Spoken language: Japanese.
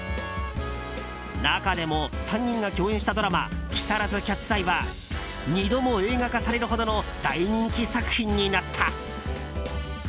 中でも、３人が共演したドラマ「木更津キャッツアイ」は２度も映画化されるほどの大人気作品になった。